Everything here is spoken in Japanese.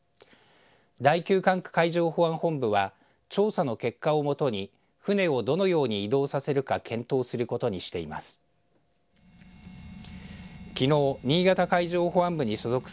第９管区海上保安本部は調査の結果を基に船をどのように移動させるか検討することにしています。